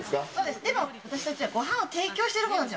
でも、私たちはごはんを提供してるほうなんですよ。